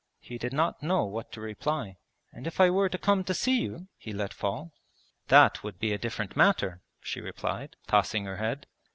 He did not know what to reply. 'And if I were to come to see you ' he let fall. 'That would be a different matter,' she replied, tossing her head.